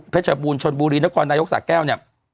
ชบูรณชนบุรีนครนายกสาแก้วเนี่ย